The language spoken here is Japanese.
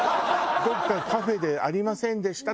どこかカフェでありませんでした？